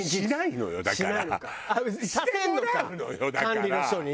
管理の人に？